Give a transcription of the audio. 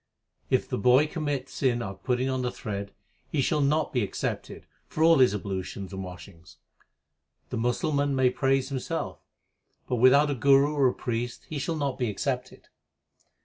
If the boy commit sin after putting on the thread, He shall not be accepted for all his ablutions and washings. The Musalman may praise himself, But without a guru or a priest he shall not be accepted.